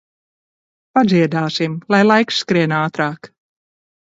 Padziedāsim, lai laiks skrien ātrāk.